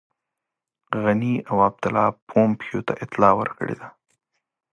غني او عبدالله پومپیو ته اطلاع ورکړې ده.